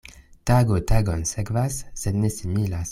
Tago tagon sekvas, sed ne similas.